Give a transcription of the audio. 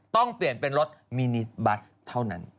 ต้องเปลี่ยนเป็นรถมินิบัสเท่านั้น